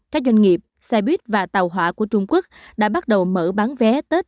các doanh nghiệp xe buýt và tàu hỏa của trung quốc đã bắt đầu mở bán vé tết